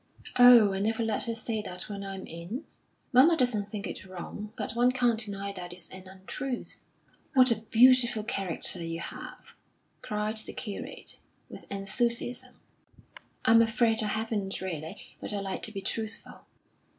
'" "Oh, I never let her say that when I'm in. Mamma doesn't think it wrong, but one can't deny that it's an untruth." "What a beautiful character you have!" cried the curate, with enthusiasm. "I'm afraid I haven't really; but I like to be truthful."